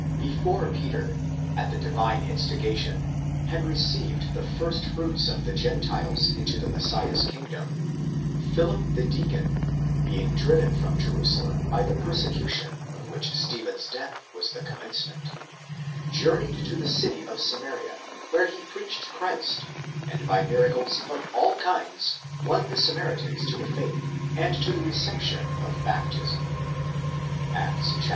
Before Peter, at the divine instigation, had received the firstfruits of the Gentiles into the Messiah's kingdom, Philip the deacon, being driven from Jerusalem by the persecution of which Stephen's death was the commencement, journeyed to the city of Samaria, where he preached Christ, and by miracles of all kinds won the Samaritans to the faith, and to the reception of baptism (Acts viii.